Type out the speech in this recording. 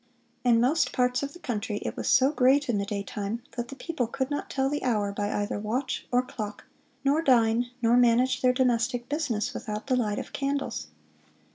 (485) "In most parts of the country it was so great in the daytime, that the people could not tell the hour by either watch or clock, nor dine, nor manage their domestic business, without the light of candles....